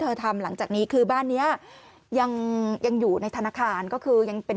ทำหลังจากนี้คือบ้านเนี้ยยังยังอยู่ในธนาคารก็คือยังเป็น